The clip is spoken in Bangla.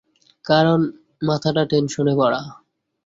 কারণ মাথাটা টেনশনে ভরা।